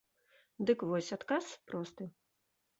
Дык вось, адказ просты.